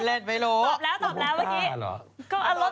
ตบแล้วเมื่อกี้